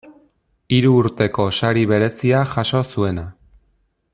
Hiru Urteko sari berezia jaso zuena.